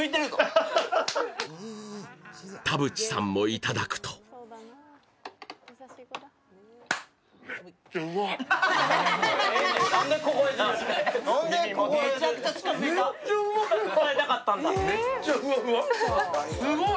田渕さんもいただくとめっちゃふわふわ、すごい。